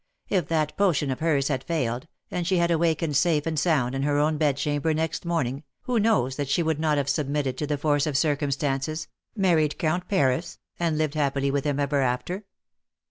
If that potion of hers had failed^ and she had awakened safe and sound in her own bedchamber next morning, who knows that she would not have submitted to the force of circumstances, married County Paris, and lived happily with him ever after.